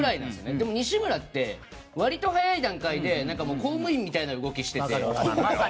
でも西村って、割と早い段階で公務員みたいな動きしてて。